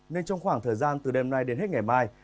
nên trong khoảng thời gian từ đêm nay đến hết ngày mai